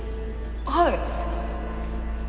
はい